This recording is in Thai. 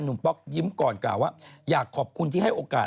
หนูป๊อกยิ้มก่อนบอกอยากขอบคุณที่ให้โอกาส